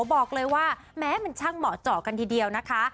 บอกเลยว่าแม้มันช่างเหมาะเจาะกันทีเดียวนะคะ